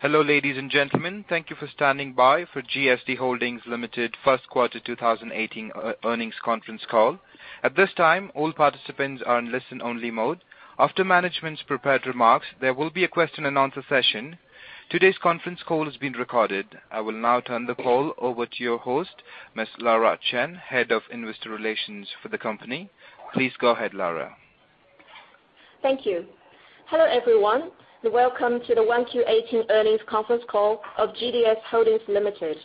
Hello, ladies and gentlemen. Thank you for standing by for GDS Holdings Limited first quarter 2018 earnings conference call. At this time, all participants are in listen-only mode. After management's prepared remarks, there will be a question and answer session. Today's conference call is being recorded. I will now turn the call over to your host, Ms. Laura Chen, head of investor relations for the company. Please go ahead, Laura. Thank you. Hello, everyone. Welcome to the 1Q18 earnings conference call of GDS Holdings Limited.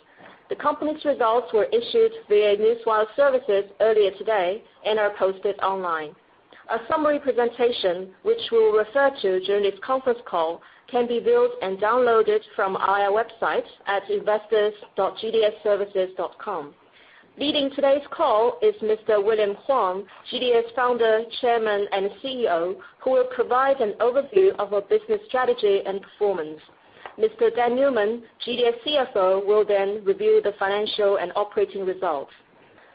The company's results were issued via newswire services earlier today and are posted online. A summary presentation, which we'll refer to during this conference call, can be viewed and downloaded from our website at investors.gds-services.com. Leading today's call is Mr. William Huang, GDS Founder, Chairman, and CEO, who will provide an overview of our business strategy and performance. Mr. Dan Newman, GDS CFO, will then review the financial and operating results.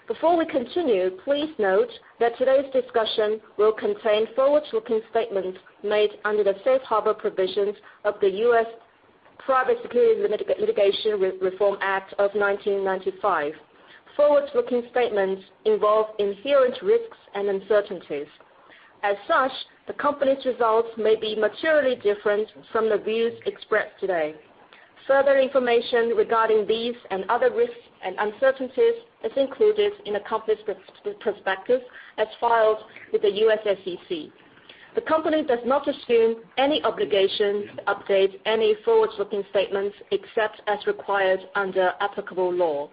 Before we continue, please note that today's discussion will contain forward-looking statements made under the Safe Harbor provisions of the U.S. Private Securities Litigation Reform Act of 1995. Forward-looking statements involve inherent risks and uncertainties. As such, the company's results may be materially different from the views expressed today. Further information regarding these and other risks and uncertainties is included in the company's prospectus as filed with the U.S. SEC. The company does not assume any obligation to update any forward-looking statements, except as required under applicable law.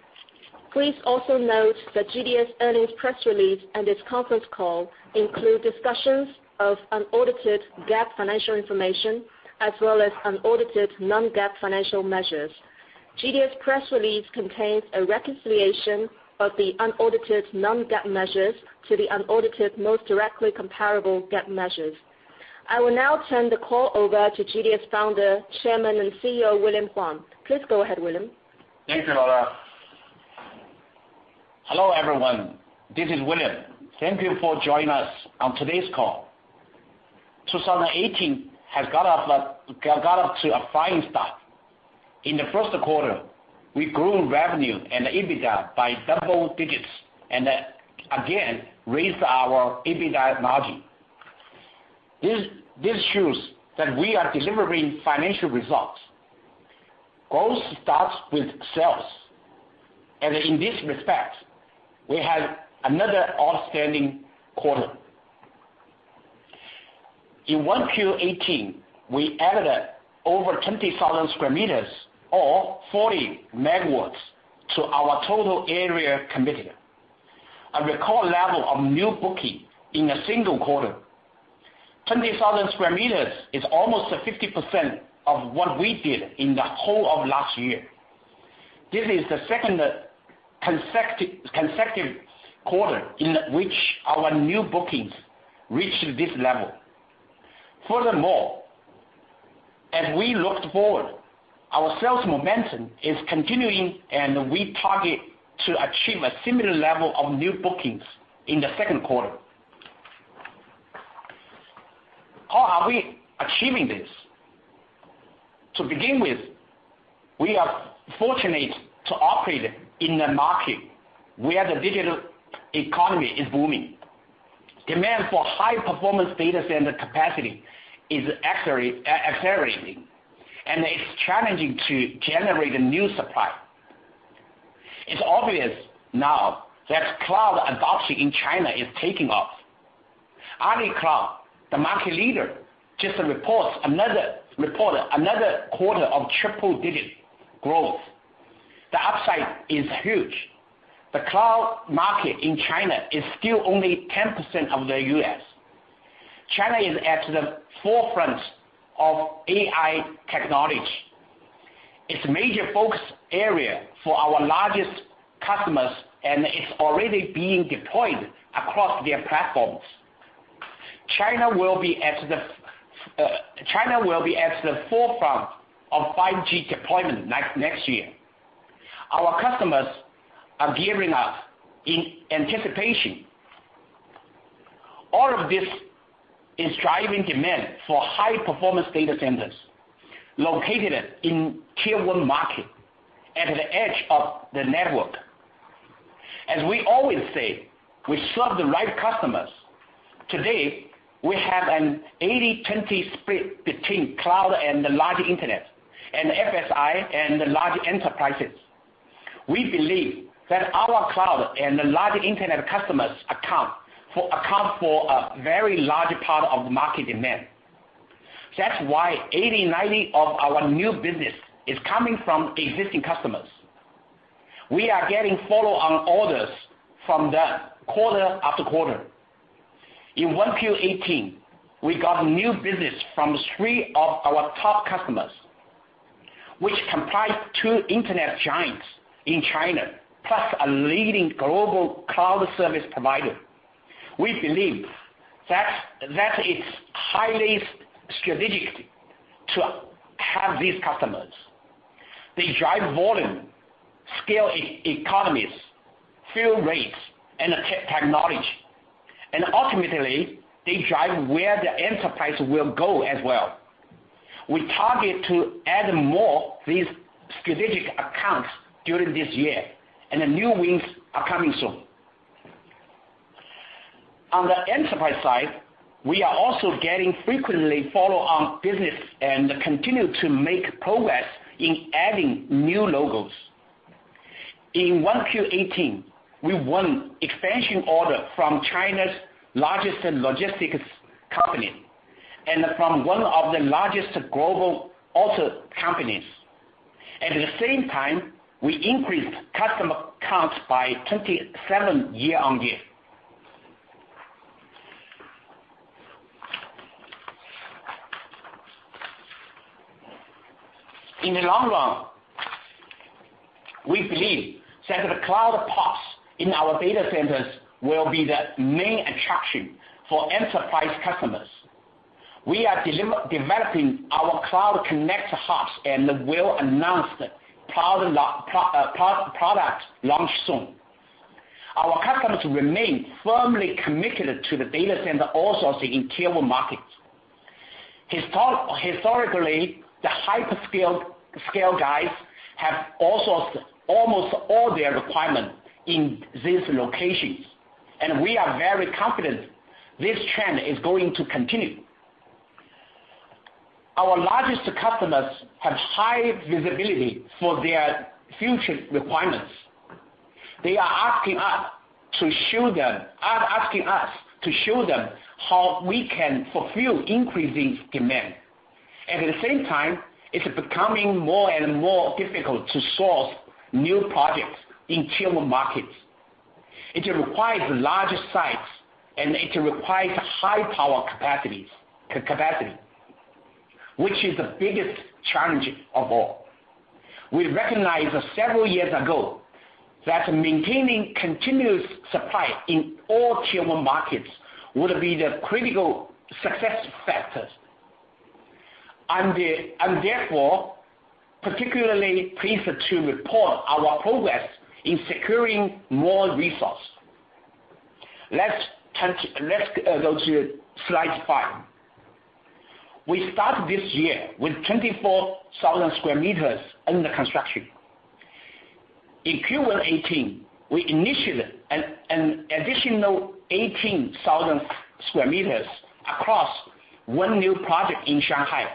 Please also note that GDS earnings press release and this conference call include discussions of unaudited GAAP financial information, as well as unaudited non-GAAP financial measures. GDS press release contains a reconciliation of the unaudited non-GAAP measures to the unaudited most directly comparable GAAP measures. I will now turn the call over to GDS Founder, Chairman, and CEO, William Huang. Please go ahead, William. Thank you, Laura. Hello, everyone. This is William. Thank you for joining us on today's call. 2018 has got off to a flying start. In the first quarter, we grew revenue and the EBITDA by double digits and again raised our EBITDA margin. This shows that we are delivering financial results. Growth starts with sales, and in this respect, we had another outstanding quarter. In 1Q18, we added over 20,000 sq m or 40 MW to our total area committed, a record level of new booking in a single quarter. 20,000 sq m is almost 50% of what we did in the whole of last year. This is the second consecutive quarter in which our new bookings reached this level. Furthermore, as we looked forward, our sales momentum is continuing, and we target to achieve a similar level of new bookings in the second quarter. How are we achieving this? To begin with, we are fortunate to operate in a market where the digital economy is booming. Demand for high-performance data center capacity is accelerating, and it's challenging to generate new supply. It's obvious now that cloud adoption in China is taking off. AliCloud, the market leader, just reported another quarter of triple-digit growth. The upside is huge. The cloud market in China is still only 10% of the U.S. China is at the forefront of AI technology. It's a major focus area for our largest customers, and it's already being deployed across their platforms. China will be at the forefront of 5G deployment next year. Our customers are gearing up in anticipation. All of this is driving demand for high-performance data centers located in Tier 1 market at the edge of the network. As we always say, we serve the right customers. Today, we have an 80/20 split between cloud and the large internet, and FSI and the large enterprises. We believe that our cloud and the large internet customers account for a very large part of market demand. That's why 80/90 of our new business is coming from existing customers. We are getting follow-on orders from them quarter after quarter. In 1Q18, we got new business from three of our top customers, which comprise two internet giants in China, plus a leading global cloud service provider. We believe that it's highly strategic to have these customers. They drive volume, scale economies, fill rates, and technology. Ultimately, they drive where the enterprise will go as well. We target to add more of these strategic accounts during this year. The new wins are coming soon. On the enterprise side, we are also getting frequently follow-on business and continue to make progress in adding new logos. In 1Q18, we won expansion order from China's largest logistics company and from one of the largest global auto companies. At the same time, we increased customer count by 27 year-on-year. In the long run, we believe that the cloud pods in our data centers will be the main attraction for enterprise customers. We are developing our Cloud Connect hubs and will announce the product launch soon. Our customers remain firmly committed to the data center outsourcing in Tier 1 markets. Historically, the hyperscale guys have outsourced almost all their requirements in these locations. We are very confident this trend is going to continue. Our largest customers have high visibility for their future requirements. They are asking us to show them how we can fulfill increasing demand. At the same time, it's becoming more and more difficult to source new projects in Tier 1 markets. It requires larger sites. It requires high power capacity, which is the biggest challenge of all. We recognized several years ago that maintaining continuous supply in all Tier 1 markets would be the critical success factor. I'm therefore particularly pleased to report our progress in securing more resources. Let's go to slide five. We started this year with 24,000 sq m under construction. In Q1 2018, we initiated an additional 18,000 sq m across one new project in Shanghai,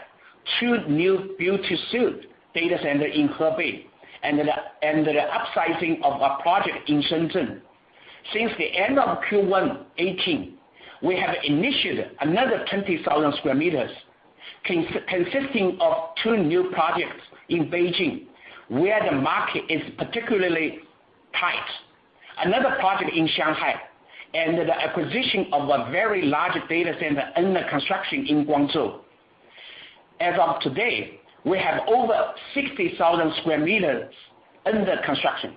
two new build-to-suit data centers in Hebei, and the upsizing of a project in Shenzhen. Since the end of Q1 2018, we have initiated another 20,000 sq m consisting of two new projects in Beijing, where the market is particularly tight, another project in Shanghai, and the acquisition of a very large data center under construction in Guangzhou. As of today, we have over 60,000 sq m under construction.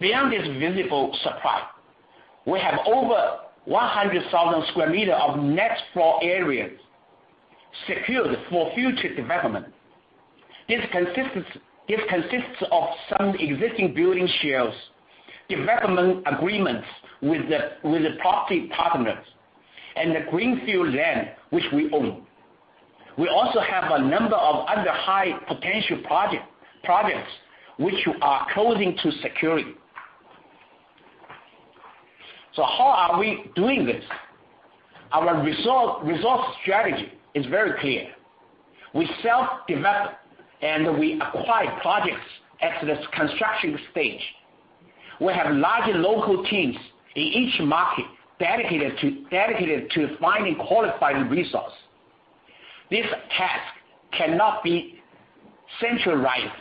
Beyond this visible supply, we have over 100,000 sq m of net floor area secured for future development. This consists of some existing building shells, development agreements with the property partners, and the greenfield land, which we own. We also have a number of other high-potential projects which we are closing to securing. How are we doing this? Our resource strategy is very clear. We self-develop, and we acquire projects at the construction stage. We have large local teams in each market dedicated to finding qualified resources. This task cannot be centralized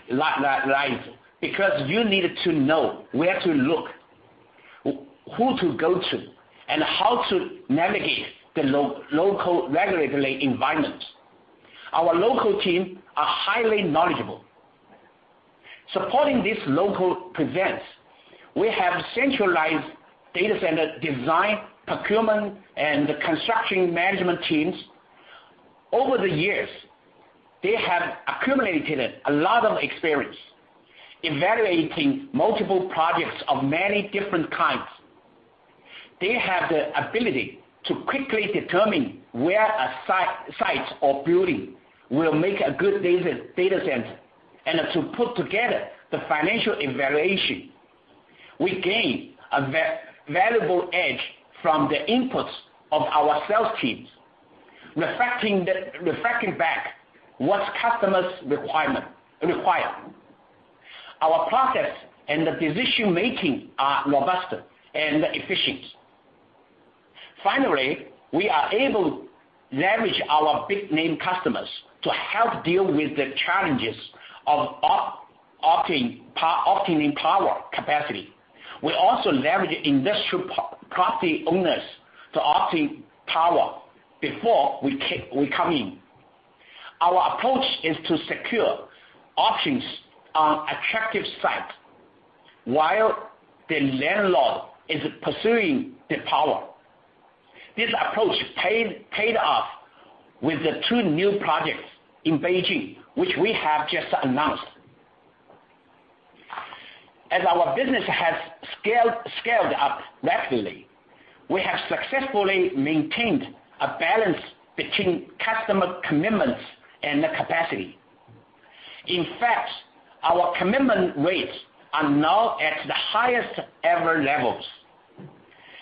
because you need to know where to look, who to go to, and how to navigate the local regulatory environment. Our local teams are highly knowledgeable. Supporting these local presence, we have centralized data center design, procurement, and construction management teams. Over the years, they have accumulated a lot of experience evaluating multiple projects of many different kinds. They have the ability to quickly determine where a site or building will make a good data center and to put together the financial evaluation. We gain a valuable edge from the inputs of our sales teams, reflecting back what customers require. Our process and decision-making are robust and efficient. Finally, we are able to leverage our big-name customers to help deal with the challenges of obtaining power capacity. We also leverage industrial property owners to obtain power before we come in. Our approach is to secure options on attractive sites while the landlord is pursuing the power. This approach paid off with the two new projects in Beijing, which we have just announced. As our business has scaled up rapidly, we have successfully maintained a balance between customer commitments and the capacity. In fact, our commitment rates are now at the highest ever levels.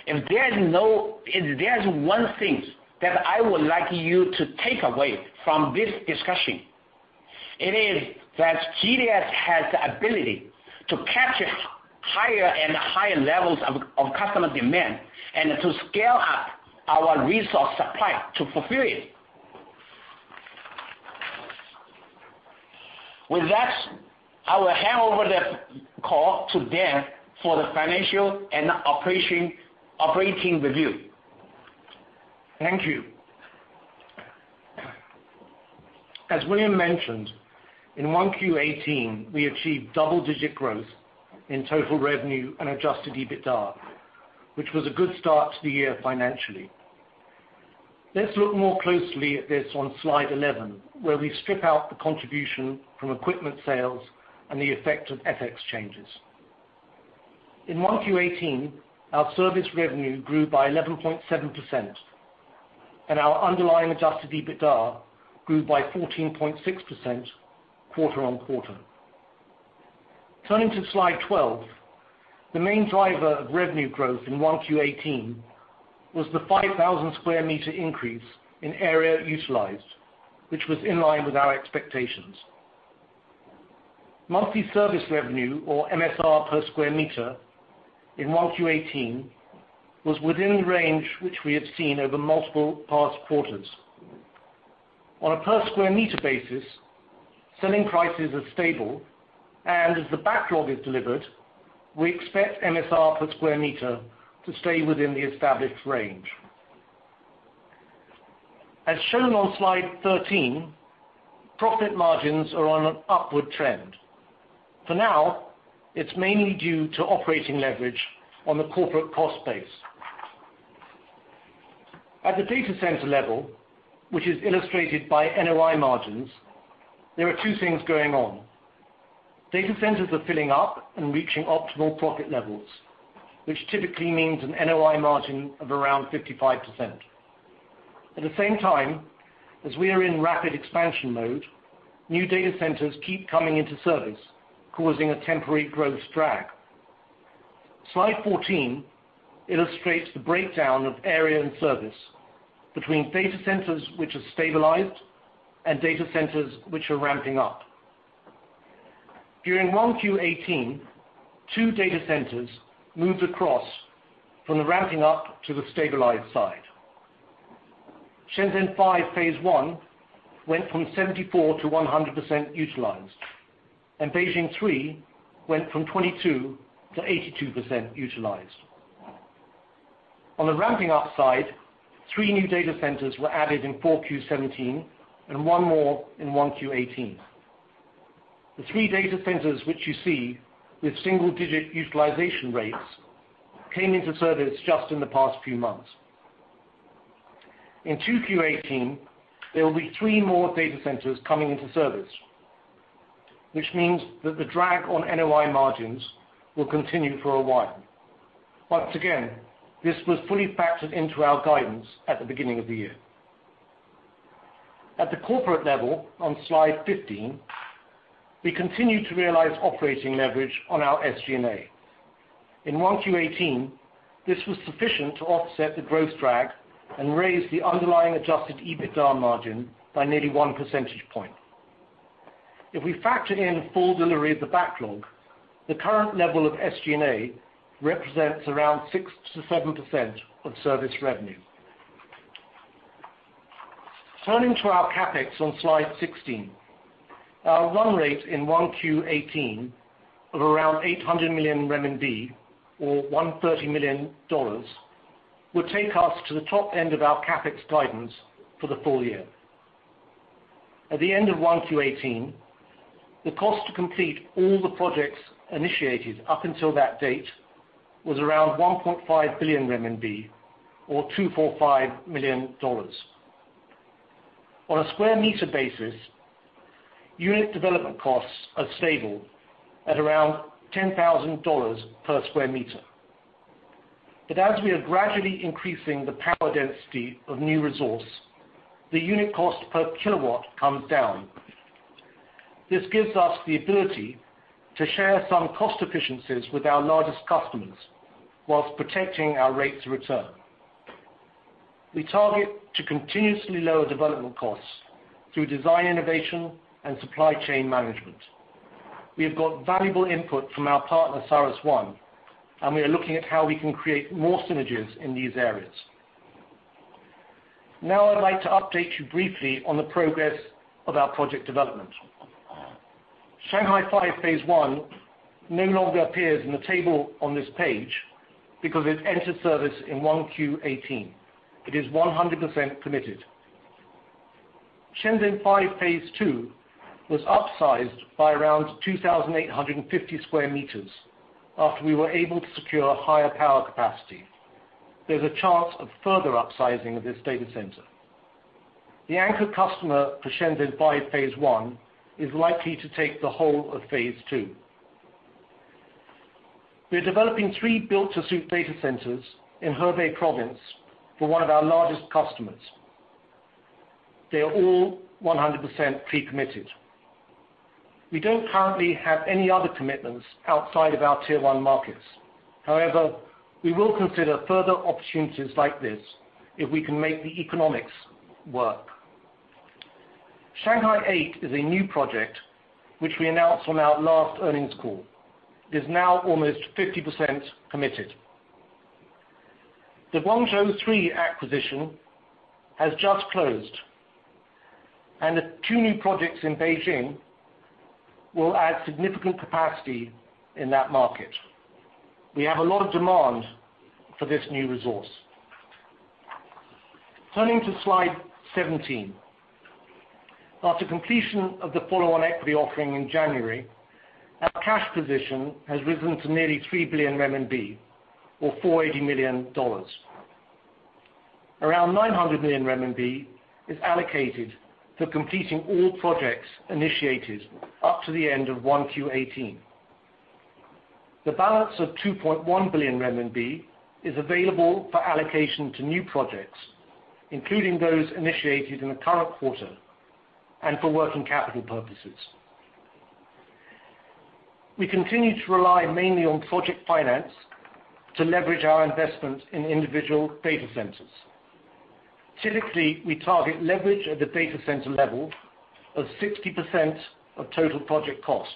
If there's one thing that I would like you to take away from this discussion, it is that GDS has the ability to capture higher and higher levels of customer demand, and to scale up our resource supply to fulfill it. With that, I will hand over the call to Dan for the financial and operating review. Thank you. As William mentioned, in 1Q 2018, we achieved double-digit growth in total revenue and adjusted EBITDA, which was a good start to the year financially. Let's look more closely at this on slide 11, where we strip out the contribution from equipment sales and the effect of FX changes. In 1Q 2018, our service revenue grew by 11.7%, and our underlying adjusted EBITDA grew by 14.6% quarter-on-quarter. Turning to slide 12, the main driver of revenue growth in 1Q 2018 was the 5,000 sq m increase in area utilized, which was in line with our expectations. Monthly service revenue, or MSR per sq m in 1Q 2018 was within the range which we have seen over multiple past quarters. On a per sq m basis, selling prices are stable, and as the backlog is delivered, we expect MSR per sq m to stay within the established range. As shown on slide 13, profit margins are on an upward trend. For now, it's mainly due to operating leverage on the corporate cost base. At the data center level, which is illustrated by NOI margins, there are two things going on. Data centers are filling up and reaching optimal profit levels, which typically means an NOI margin of around 55%. At the same time, as we are in rapid expansion mode, new data centers keep coming into service, causing a temporary growth drag. Slide 14 illustrates the breakdown of area and service between data centers which have stabilized and data centers which are ramping up. During 1Q18, two data centers moved across from the ramping up to the stabilized side. Shenzhen 5 Phase 1 went from 74%-100% utilized, and Beijing 3 went from 22%-82% utilized. On the ramping up side, three new data centers were added in 4Q17, and one more in 1Q18. The three data centers which you see with single-digit utilization rates came into service just in the past few months. In 2Q18, there will be three more data centers coming into service, which means that the drag on NOI margins will continue for a while. Once again, this was fully factored into our guidance at the beginning of the year. At the corporate level on slide 15, we continue to realize operating leverage on our SG&A. In 1Q18, this was sufficient to offset the growth drag and raise the underlying adjusted EBITDA margin by nearly one percentage point. If we factor in the full delivery of the backlog, the current level of SG&A represents around six to seven percent of service revenue. Turning to our CapEx on slide 16. Our run rate in 1Q18 of around 800 million renminbi or $130 million would take us to the top end of our CapEx guidance for the full year. At the end of 1Q18, the cost to complete all the projects initiated up until that date was around 1.5 billion renminbi or $245 million. On a sq m basis, unit development costs are stable at around $10,000 per sq m. But as we are gradually increasing the power density of new resource, the unit cost per kW comes down. This gives us the ability to share some cost efficiencies with our largest customers whilst protecting our rates of return. We target to continuously lower development costs through design innovation and supply chain management. We have got valuable input from our partner, CyrusOne, and we are looking at how we can create more synergies in these areas. Now I'd like to update you briefly on the progress of our project development. Shanghai 5 Phase 1 no longer appears in the table on this page because it entered service in 1Q18. It's 100% committed. Shenzhen 5 Phase 2 was upsized by around 2,850 sq m after we were able to secure higher power capacity. There's a chance of further upsizing of this data center. The anchor customer for Shenzhen 5 Phase 1 is likely to take the whole of Phase 2. We're developing three built-to-suit data centers in Hebei Province for one of our largest customers. They are all 100% pre-committed. We don't currently have any other commitments outside of our Tier 1 markets. However, we will consider further opportunities like this if we can make the economics work. Shanghai 8 is a new project which we announced on our last earnings call. It is now almost 50% committed. The Guangzhou 3 acquisition has just closed, and the two new projects in Beijing will add significant capacity in that market. We have a lot of demand for this new resource. Turning to slide 17. After completion of the follow-on equity offering in January, our cash position has risen to nearly 3 billion RMB, or $480 million. Around 900 million RMB is allocated for completing all projects initiated up to the end of 1Q18. The balance of 2.1 billion renminbi is available for allocation to new projects, including those initiated in the current quarter, and for working capital purposes. We continue to rely mainly on project finance to leverage our investment in individual data centers. Typically, we target leverage at the data center level of 60% of total project cost.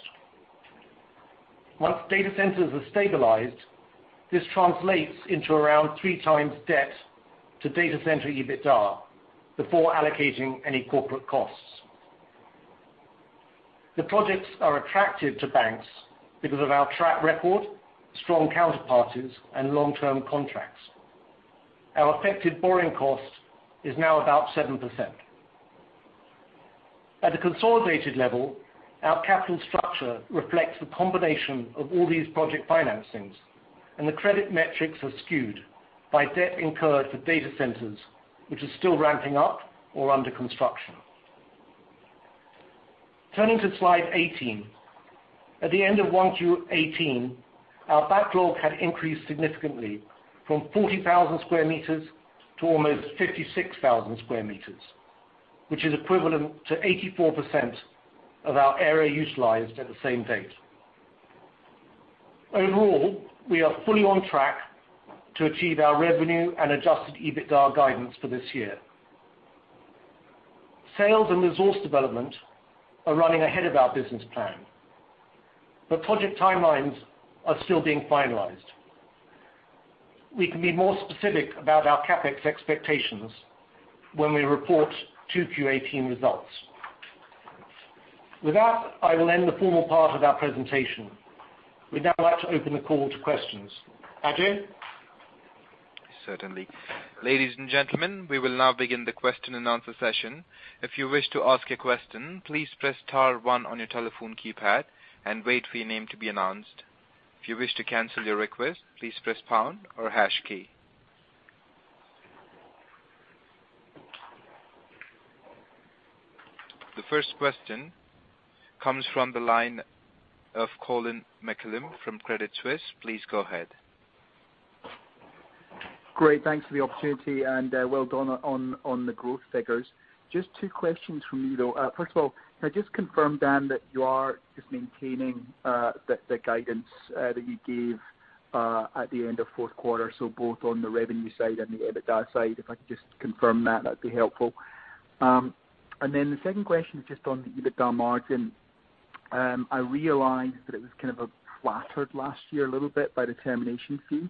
Once data centers are stabilized, this translates into around three times debt to data center EBITDA, before allocating any corporate costs. The projects are attractive to banks because of our track record, strong counterparties, and long-term contracts. Our effective borrowing cost is now about 7%. At the consolidated level, our capital structure reflects the combination of all these project financings, and the credit metrics are skewed by debt incurred for data centers which are still ramping up or under construction. Turning to slide 18. At the end of 1Q18, our backlog had increased significantly from 40,000 sq m to almost 56,000 sq m, which is equivalent to 84% of our area utilized at the same date. Overall, we are fully on track to achieve our revenue and adjusted EBITDA guidance for this year. Sales and resource development are running ahead of our business plan, but project timelines are still being finalized. We can be more specific about our CapEx expectations when we report 2Q18 results. With that, I will end the formal part of our presentation. We'd now like to open the call to questions. Ajay? Certainly. Ladies and gentlemen, we will now begin the question and answer session. If you wish to ask a question, please press star one on your telephone keypad and wait for your name to be announced. If you wish to cancel your request, please press pound or hash key. The first question comes from the line of Colin McCallum from Credit Suisse. Please go ahead. Great, thanks for the opportunity, and well done on the growth figures. Just two questions from me, though. First of all, can I just confirm, Dan, that you are just maintaining the guidance that you gave at the end of fourth quarter, both on the revenue side and the EBITDA side? If I could just confirm that'd be helpful. The second question is just on the EBITDA margin. I realize that it was kind of flattered last year a little bit by the termination fee.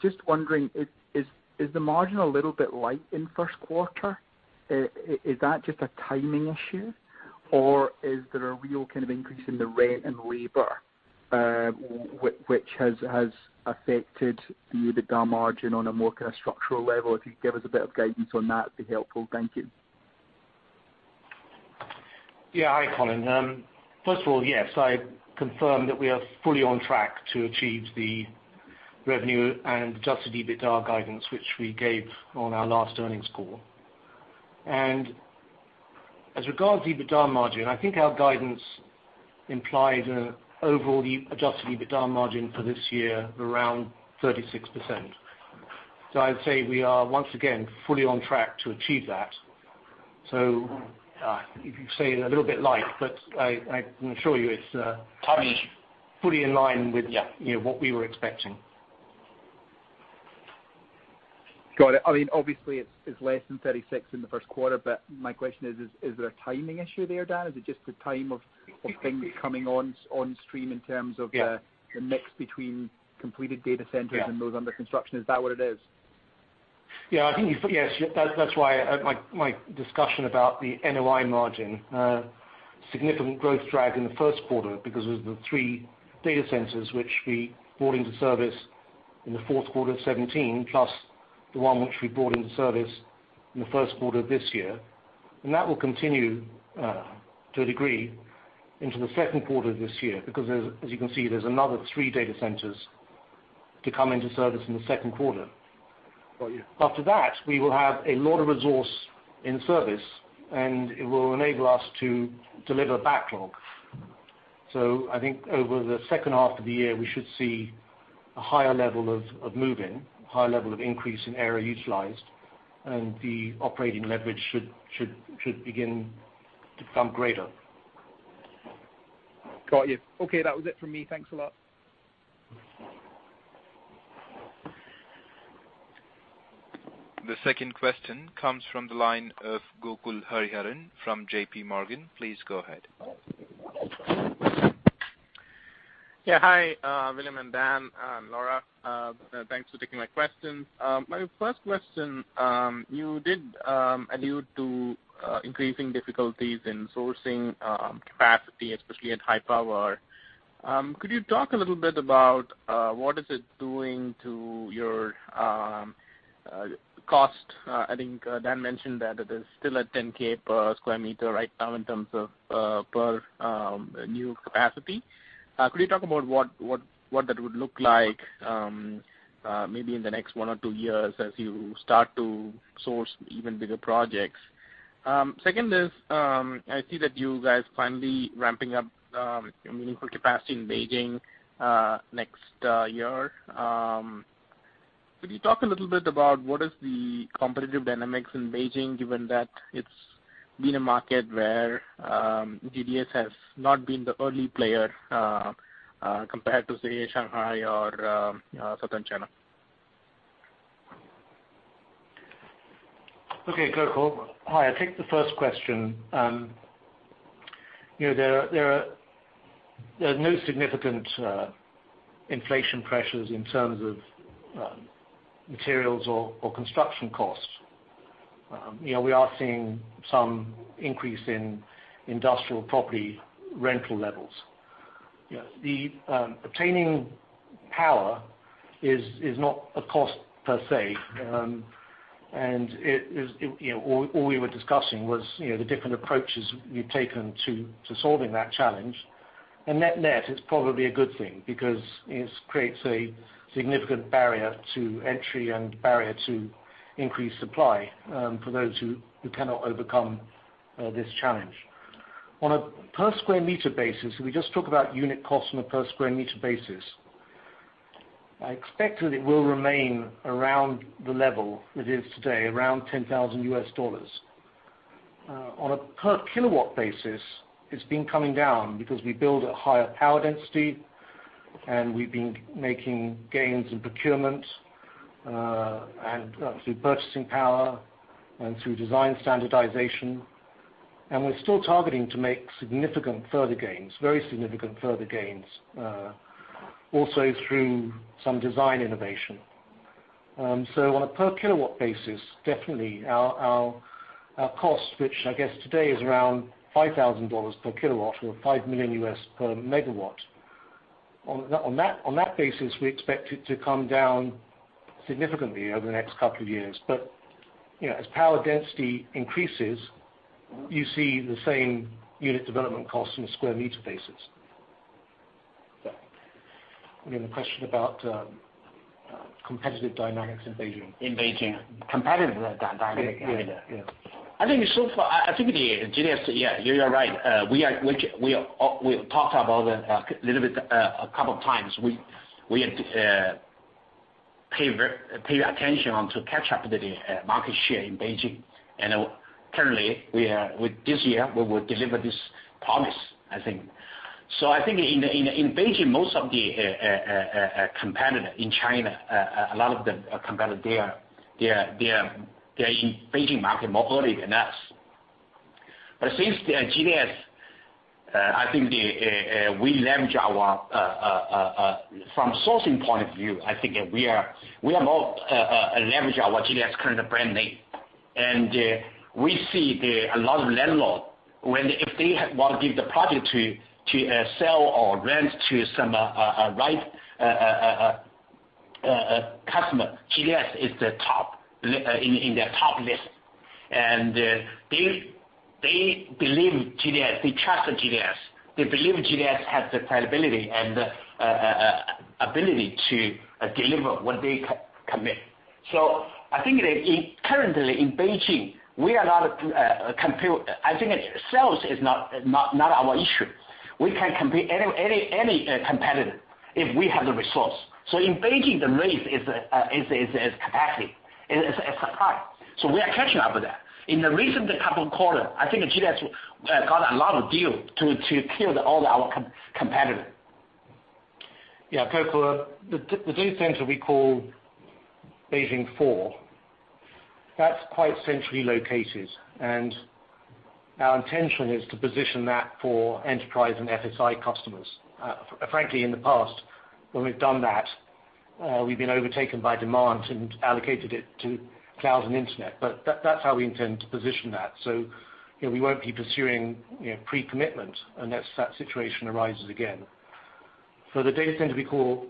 Just wondering, is the margin a little bit light in the first quarter? Is that just a timing issue, or is there a real kind of increase in the rent and labor, which has affected the EBITDA margin on a more kind of structural level? If you could give us a bit of guidance on that, it'd be helpful. Thank you. Hi, Colin. First of all, yes, I confirm that we are fully on track to achieve the revenue and adjusted EBITDA guidance, which we gave on our last earnings call. As regards to EBITDA margin, I think our guidance implied an overall adjusted EBITDA margin for this year of around 36%. I'd say we are once again fully on track to achieve that. You could say a little bit light, but I can assure you it's- Timing fully in line with- Yeah what we were expecting. Got it. Obviously, it's less than 36 in the first quarter, my question is there a timing issue there, Dan? Is it just a time of things coming on stream in terms of the- Yeah mix between completed data centers and those under construction? Is that what it is? Yeah. That's why my discussion about the NOI margin, significant growth drag in the first quarter because of the three data centers which we brought into service In the fourth quarter of 2017, plus the one which we brought into service in the first quarter of this year. That will continue, to a degree, into the second quarter of this year because as you can see, there's another three data centers to come into service in the second quarter. Got you. After that, we will have a lot of resource in service, and it will enable us to deliver backlog. I think over the second half of the year, we should see a higher level of move-in, a higher level of increase in area utilized, and the operating leverage should begin to become greater. Got you. Okay. That was it from me. Thanks a lot. The second question comes from the line of Gokul Hariharan from J.P. Morgan. Please go ahead. Hi, William and Dan and Laura. Thanks for taking my questions. My first question, you did allude to increasing difficulties in sourcing capacity, especially at high power. Could you talk a little bit about what is it doing to your cost? I think Dan mentioned that it is still at $10,000 per square meter right now in terms of per new capacity. Could you talk about what that would look like maybe in the next one or two years as you start to source even bigger projects? Second is, I see that you guys finally ramping up your meaningful capacity in Beijing next year. Could you talk a little bit about what is the competitive dynamics in Beijing, given that it's been a market where GDS has not been the early player compared to, say, Shanghai or Southern China. Gokul, hi. I'll take the first question. There are no significant inflation pressures in terms of materials or construction costs. We are seeing some increase in industrial property rental levels. The obtaining power is not a cost per se. All we were discussing was the different approaches we've taken to solving that challenge. Net net, it's probably a good thing because it creates a significant barrier to entry and barrier to increased supply for those who cannot overcome this challenge. On a per square meter basis, we just talk about unit cost on a per square meter basis. I expect that it will remain around the level it is today, around $10,000. On a per kilowatt basis, it's been coming down because we build at higher power density, and we've been making gains in procurement through purchasing power and through design standardization. We're still targeting to make significant further gains, very significant further gains, also through some design innovation. On a per kilowatt basis, definitely our cost, which I guess today is around $5,000 per kilowatt or $5 million per megawatt. On that basis, we expect it to come down significantly over the next couple of years. As power density increases, you see the same unit development cost on a square meter basis. We had a question about competitive dynamics in Beijing. In Beijing, competitive dynamics. Yeah. I think so far, GDS. Yeah, you are right. We talked about it a little bit a couple of times. We had paid attention on to catch up the market share in Beijing. Currently, this year, we will deliver this promise, I think. I think in Beijing, most of the competitor in China, a lot of the competitor, they are in Beijing market more earlier than us. Since GDS, I think we leverage our. From sourcing point of view, I think we are more leverage our GDS current brand name. We see a lot of landlord, if they want to give the project to sell or rent to some right customer, GDS is in their top list. They believe GDS, they trust GDS. They believe GDS has the credibility and ability to deliver what they commit. I think currently in Beijing, I think sales is not our issue. We can compete any competitor if we have the resource. In Beijing, the race is capacity and supply. We are catching up with that. In the recent couple quarter, I think GDS got a lot of deal to kill all our competitor. Yeah, Gokul. The data center we call Beijing 4, that is quite centrally located. Our intention is to position that for enterprise and FSI customers. Frankly, in the past, when we have done that, we have been overtaken by demand and allocated it to cloud and internet. That is how we intend to position that. We will not be pursuing pre-commitment unless that situation arises again. The data center we call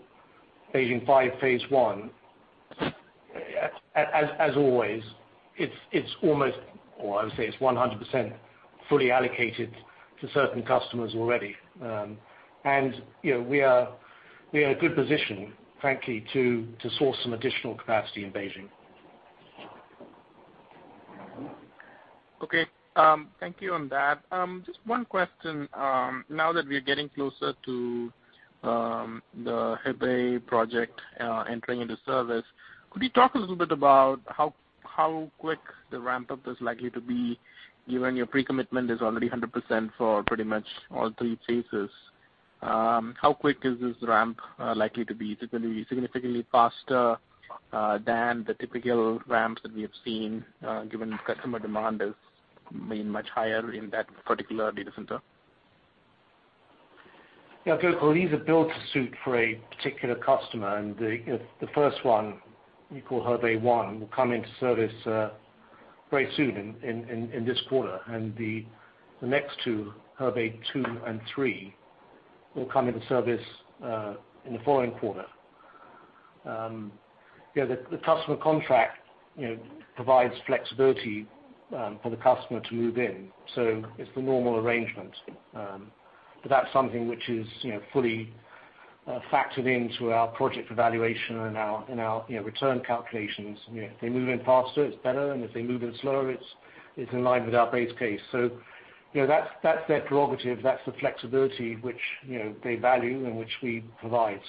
Beijing Five Phase One. As always, it is almost, or I would say it is 100% fully allocated to certain customers already. We are in a good position, frankly, to source some additional capacity in Beijing. Okay. Thank you on that. Just one question. Now that we are getting closer to the Hebei project entering into service, could you talk a little bit about how quick the ramp-up is likely to be, given your pre-commitment is already 100% for pretty much all three phases? How quick is this ramp likely to be? Is it going to be significantly faster than the typical ramps that we have seen, given customer demand has been much higher in that particular data center? Gokul. These are built to suit for a particular customer, the first one, we call Hebei 1, will come into service very soon in this quarter. The next two, Hebei 2 and 3, will come into service in the following quarter. The customer contract provides flexibility for the customer to move in. It's the normal arrangement. That's something which is fully factored into our project evaluation and our return calculations. If they move in faster, it's better, and if they move in slower, it's in line with our base case. That's their prerogative. That's the flexibility which they value and which we provide.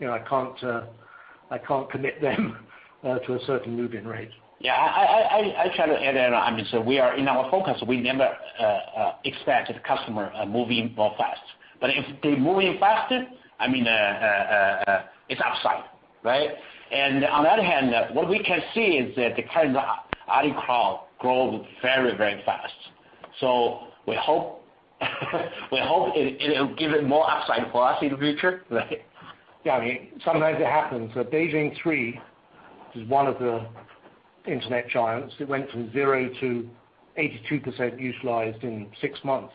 I can't commit them to a certain move-in rate. I try to add in. We are in our focus, we never expect the customer move in more fast. If they move in faster, it's upside, right? On the other hand, what we can see is that the kind of AliCloud grows very, very fast. We hope it'll give it more upside for us in the future. Right? Sometimes it happens. Beijing 3 is one of the internet giants. It went from zero to 82% utilized in six months.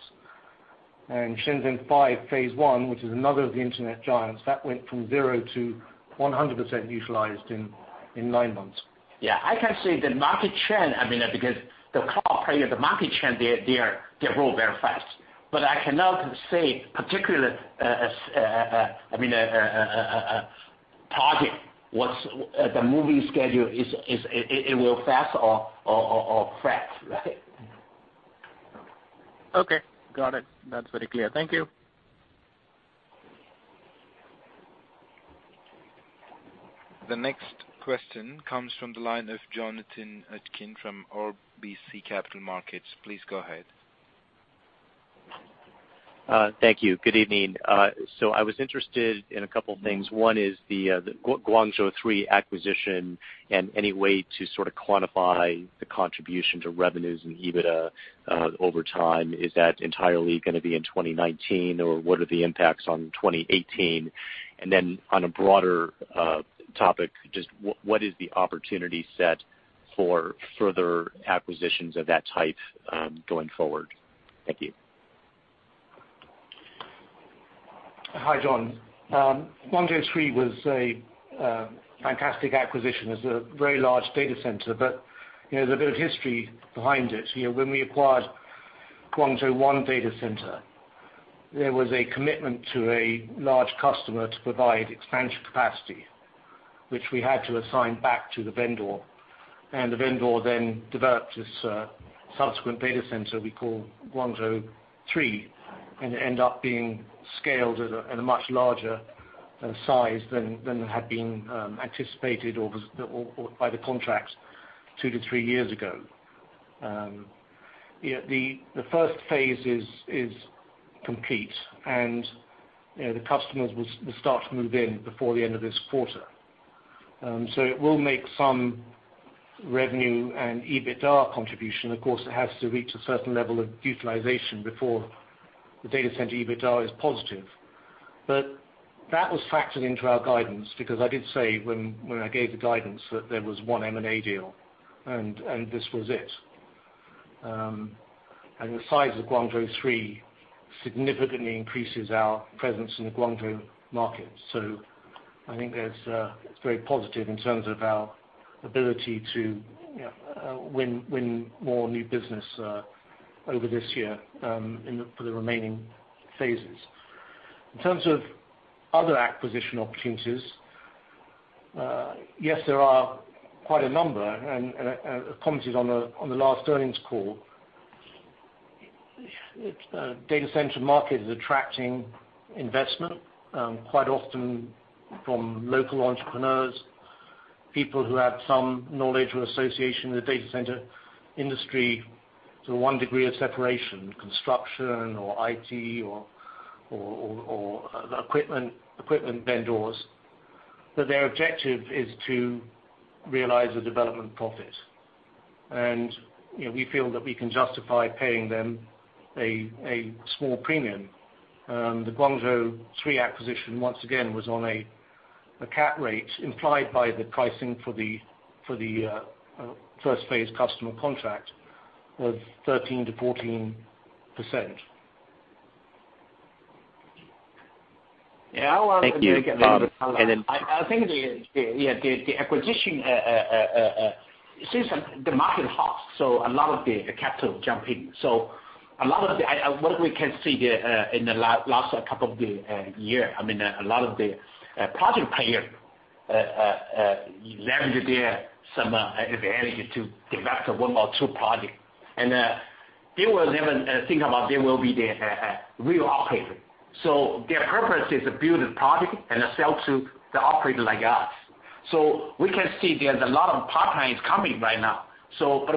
Shenzhen 5 Phase 1, which is another of the internet giants, that went from zero to 100% utilized in nine months. I can say the market trend, because the cloud player, the market trend, they grow very fast. I cannot say particular target, what's the moving schedule, it will fast or flat. Right? Okay. Got it. That's very clear. Thank you. The next question comes from the line of Jonathan Atkin from RBC Capital Markets. Please go ahead. Thank you. Good evening. I was interested in a couple things. One is the Guangzhou 3 acquisition and any way to sort of quantify the contribution to revenues and EBITDA over time. Is that entirely going to be in 2019, or what are the impacts on 2018? On a broader topic, just what is the opportunity set for further acquisitions of that type going forward? Thank you. Hi, John. Guangzhou 3 was a fantastic acquisition. It's a very large data center, but there's a bit of history behind it. When we acquired Guangzhou 1 data center, there was a commitment to a large customer to provide expansion capacity, which we had to assign back to the vendor. The vendor then developed this subsequent data center we call Guangzhou 3, and it end up being scaled at a much larger size than had been anticipated or by the contracts two to three years ago. The first phase is complete, and the customers will start to move in before the end of this quarter. It will make some revenue and EBITDA contribution. Of course, it has to reach a certain level of utilization before the data center EBITDA is positive. That was factored into our guidance because I did say when I gave the guidance that there was one M&A deal, and this was it. The size of Guangzhou 3 significantly increases our presence in the Guangzhou market. I think it's very positive in terms of our ability to win more new business over this year for the remaining phases. In terms of other acquisition opportunities, yes, there are quite a number, and I commented on the last earnings call. Data center market is attracting investment, quite often from local entrepreneurs, people who have some knowledge or association with the data center industry to one degree of separation, construction or IT or equipment vendors. Their objective is to realize a development profit. We feel that we can justify paying them a small premium. The Guangzhou 3 acquisition, once again, was on a cap rate implied by the pricing for the first phase customer contract of 13%-14%. Yeah. Thank you. I think the acquisition, since the market is hot, a lot of the capital jump in. What we can see in the last couple of the year, a lot of the project player leveraged some advantage to develop one or two project. They will never think about they will be the real operator. Their purpose is to build a project and sell to the operator like us. We can see there's a lot of pipelines coming right now.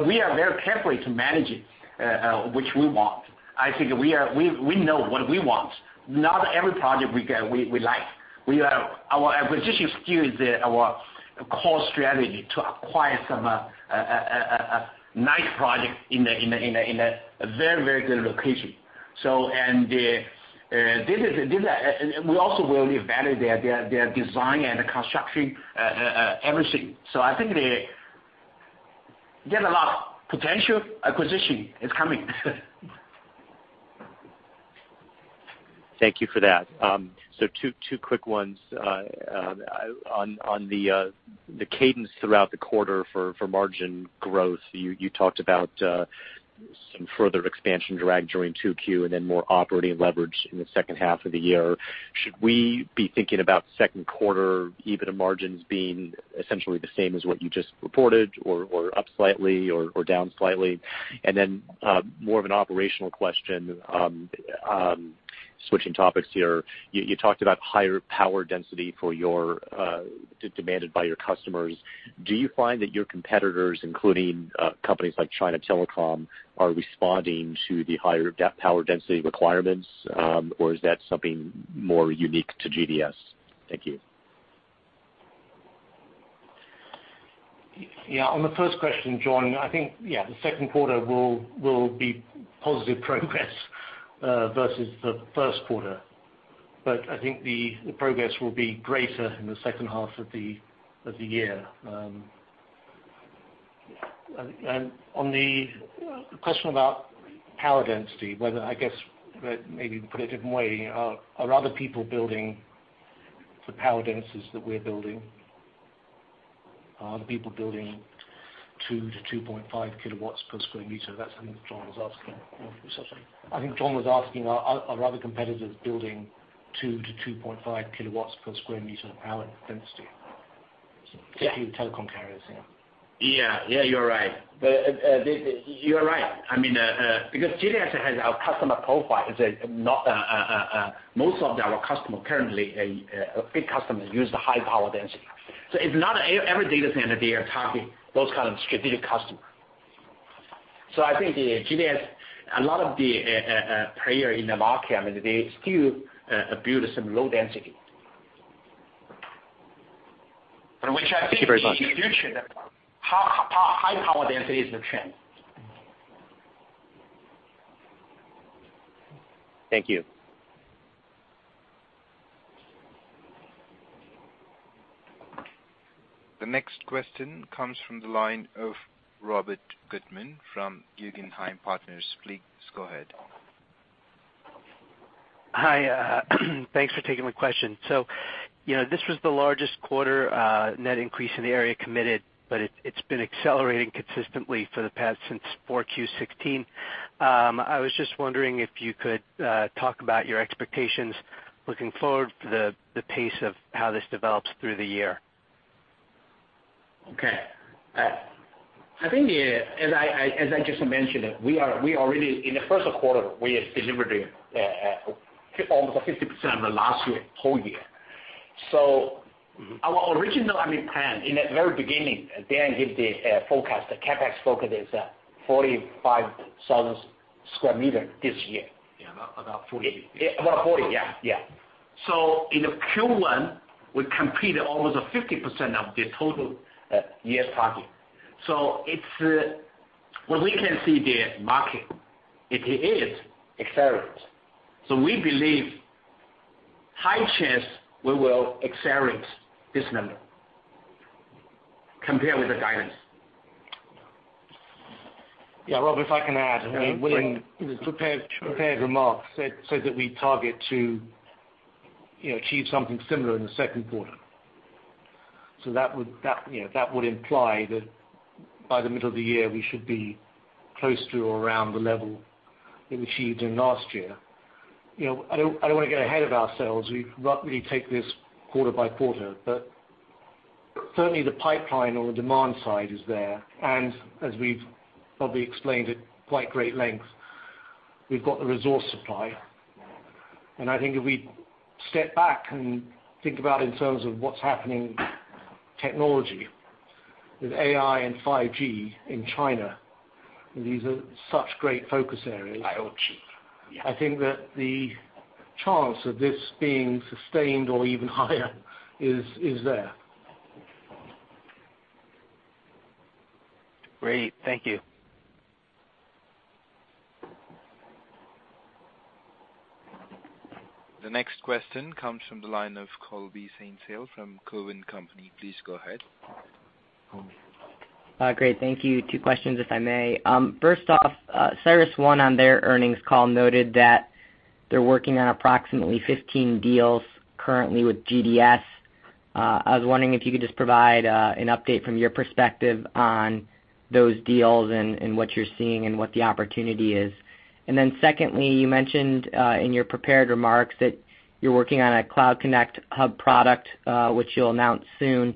We are very carefully to manage it, which we want. I think we know what we want. Not every project we like. Our acquisition still is our core strategy to acquire some nice project in a very good location. We also will evaluate their design and the construction, everything. I think there's a lot of potential acquisition is coming. Thank you for that. Two quick ones. On the cadence throughout the quarter for margin growth, you talked about some further expansion drag during 2Q and then more operating leverage in the second half of the year. Should we be thinking about second quarter EBITDA margins being essentially the same as what you just reported or up slightly or down slightly? Then, more of an operational question, switching topics here, you talked about higher power density demanded by your customers. Do you find that your competitors, including companies like China Telecom, are responding to the higher power density requirements? Or is that something more unique to GDS? Thank you. On the first question, John, I think the second quarter will be positive progress versus the first quarter. I think the progress will be greater in the second half of the year. On the question about power density, whether, I guess, maybe put a different way, are other people building the power densities that we're building? Are other people building two to 2.5 kilowatts per square meter? That's something that John was asking. I think John was asking are other competitors building two to 2.5 kilowatts per square meter of power density? Yeah. A few telecom carriers. You're right. GDS has our customer profile. Most of our customer currently, big customers use the high power density. It's not every data center they are targeting those kind of strategic customer. I think the GDS, a lot of the player in the market, they still build some low density. We check. Thank you very much In the future, high power density is the trend. Thank you. The next question comes from the line of Robert Gutman from Guggenheim Partners. Please go ahead. Hi. Thanks for taking my question. This was the largest quarter net increase in the area committed, but it's been accelerating consistently for the past since 4Q 2016. I was just wondering if you could talk about your expectations looking forward for the pace of how this develops through the year. Okay. I think, as I just mentioned, in the first quarter, we delivered almost 50% of last year, whole year. Our original plan in the very beginning, Dan gave the forecast, the CapEx forecast is 45,000 sq m this year. Yeah, about 40. About 40. Yeah. In Q1, we completed almost 50% of the total year's target. What we can see the market, it is accelerating. We believe high chance we will accelerate this number compared with the guidance. Yeah. Rob, if I can add. Yeah, please. William's prepared remarks said that we target to achieve something similar in the second quarter. That would imply that by the middle of the year, we should be close to or around the level we achieved in last year. I don't want to get ahead of ourselves. We roughly take this quarter by quarter. Certainly the pipeline on the demand side is there, and as we've probably explained at quite great length, we've got the resource supply. I think if we step back and think about in terms of what's happening technology with AI and 5G in China, these are such great focus areas. IoT. Yeah. I think that the chance of this being sustained or even higher is there. Great. Thank you. The next question comes from the line of Colby Synesael from Cowen and Company. Please go ahead. Great. Thank you. Two questions, if I may. First off, CyrusOne, on their earnings call, noted that they're working on approximately 15 deals currently with GDS. I was wondering if you could just provide an update from your perspective on those deals and what you're seeing and what the opportunity is. Secondly, you mentioned in your prepared remarks that you're working on a Cloud Connect hub product, which you'll announce soon.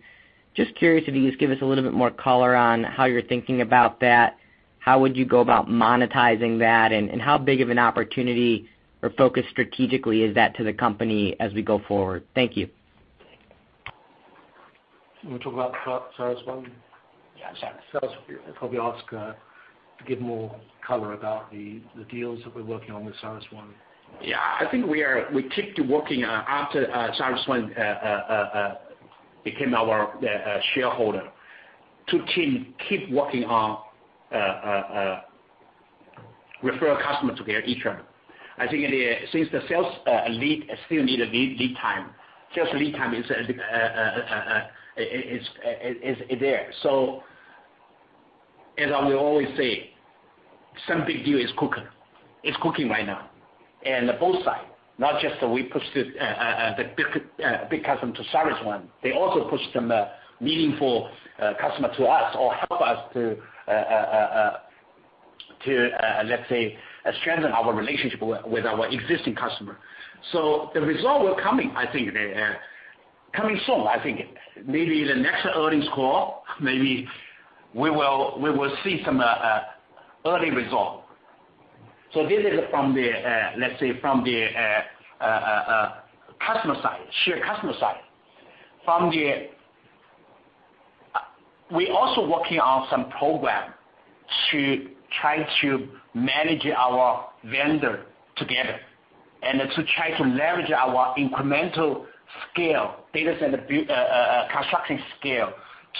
Just curious if you could just give us a little bit more color on how you're thinking about that. How would you go about monetizing that, and how big of an opportunity or focus strategically is that to the company as we go forward? Thank you. You want to talk about CyrusOne? Yeah, CyrusOne. Cyrus, probably ask to give more color about the deals that we're working on with CyrusOne. Yeah, I think we keep working after CyrusOne became our shareholder. To keep working on refer customer to their. I think since the sales lead still need a lead time, sales lead time is there. As I will always say, some big deal is cooking right now. The both side, not just that we pushed the big, big customer to CyrusOne, they also pushed some meaningful customer to us or help us to, let's say, strengthen our relationship with our existing customer. The result will coming, I think, coming soon. I think maybe the next earnings call, maybe we will see some early result. This is from the, let's say, from the customer side, shared customer side. We're also working on some program to try to manage our vendor together and to try to leverage our incremental scale, data center construction scale,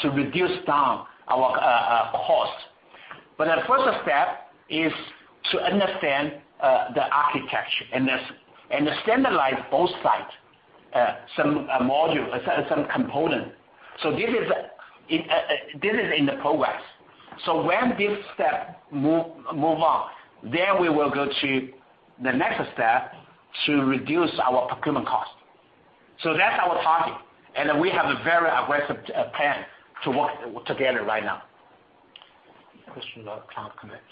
to reduce down our cost. The first step is to understand the architecture and standardize both sides, some module, some component. This is in the progress. When this step move on, then we will go to the next step to reduce our procurement cost. That's our target, and we have a very aggressive plan to work together right now. Question about Cloud Connect.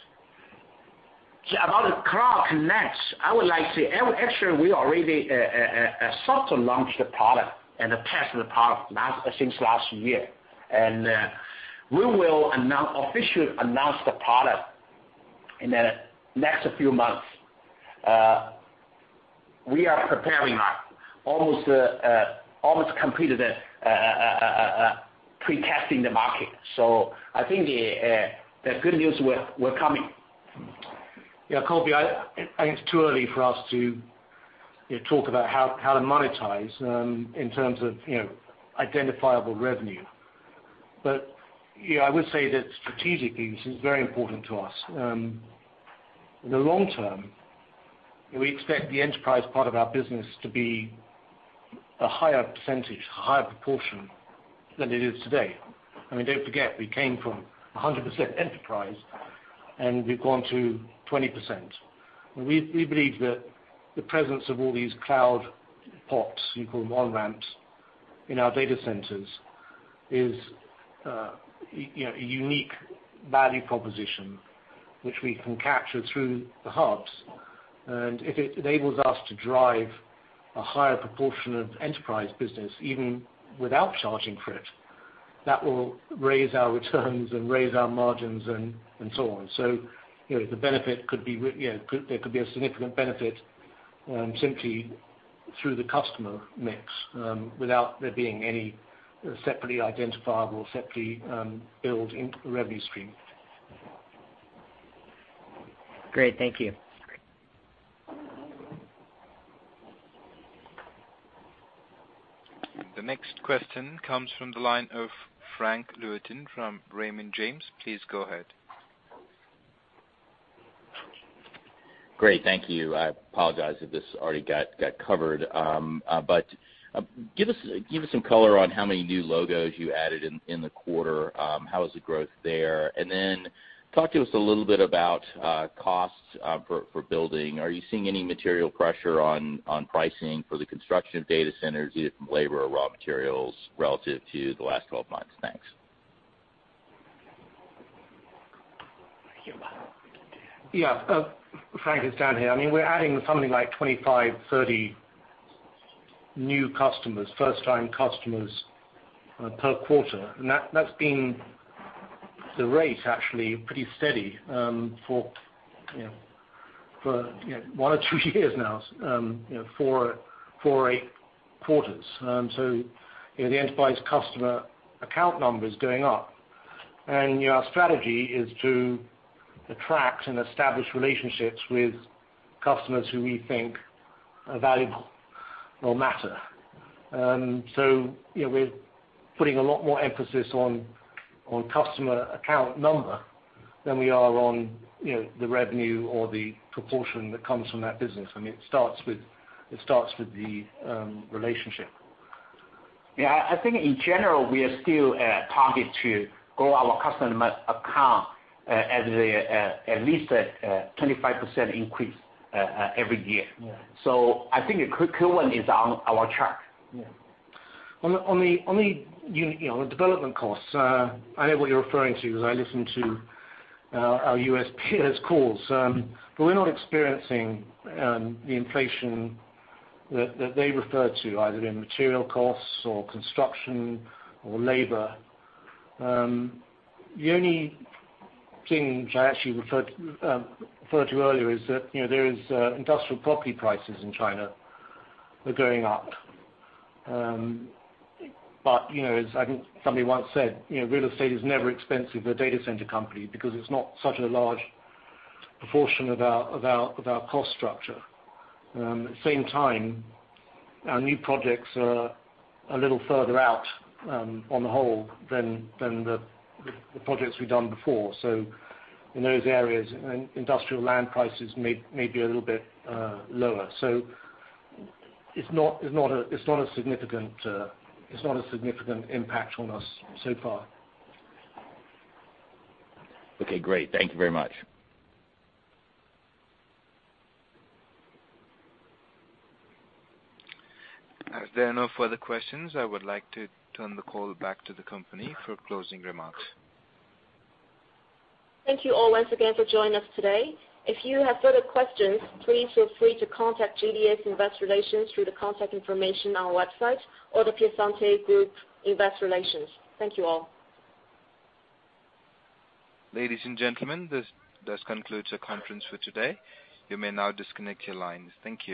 Yeah, about the Cloud Connect, actually, we already soft launched the product and test the product since last year. We will officially announce the product in the next few months. We are preparing that. Almost completed pre-testing the market. I think the good news will coming. Yeah, Colby, I think it's too early for us to talk about how to monetize in terms of identifiable revenue. Yeah, I would say that strategically, this is very important to us. In the long term, we expect the enterprise part of our business to be a higher percentage, a higher proportion than it is today. I mean, don't forget, we came from 100% enterprise, and we've gone to 20%. We believe that the presence of all these cloud pods, you can call them on-ramps, in our data centers is a unique value proposition, which we can capture through the hubs. If it enables us to drive a higher proportion of enterprise business, even without charging for it, that will raise our returns and raise our margins and so on. There could be a significant benefit simply through the customer mix, without there being any separately identifiable, separately billed revenue stream. Great. Thank you. Great. The next question comes from the line of Frank Louthan from Raymond James. Please go ahead. Great. Thank you. I apologize if this already got covered. Give us some color on how many new logos you added in the quarter. How was the growth there? Talk to us a little bit about costs for building. Are you seeing any material pressure on pricing for the construction of data centers, be it from labor or raw materials relative to the last 12 months? Thanks. Yeah. Frank, it's Dan here. I mean, we're adding something like 25, 30 new customers, first time customers per quarter. That's been the rate, actually, pretty steady for one or two years now, four or eight quarters. The enterprise customer account number is going up. Our strategy is to attract and establish relationships with customers who we think are valuable or matter. We're putting a lot more emphasis on customer account number than we are on the revenue or the proportion that comes from that business. It starts with the relationship. Yeah. I think in general, we are still targeted to grow our customer account at least a 25% increase every year. Yeah. I think the Q1 is on our chart. Yeah. On the development costs, I know what you're referring to as I listen to our U.S. peers' calls. We're not experiencing the inflation that they refer to, either in material costs or construction or labor. The only thing which I actually referred to earlier is that, there is industrial property prices in China are going up. I think somebody once said, "Real estate is never expensive for a data center company," because it's not such a large proportion of our cost structure. At the same time, our new projects are a little further out on the whole than the projects we've done before. In those areas, industrial land prices may be a little bit lower. It's not a significant impact on us so far. Okay, great. Thank you very much. As there are no further questions, I would like to turn the call back to the company for closing remarks. Thank you all once again for joining us today. If you have further questions, please feel free to contact GDS Investor Relations through the contact information on our website or The Piacente Group Investor Relations. Thank you all. Ladies and gentlemen, this does conclude the conference for today. You may now disconnect your lines. Thank you